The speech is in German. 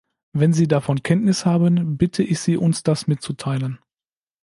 Wenn Sie davon Kenntnis haben, bitte ich Sie, uns das mitzuteilen.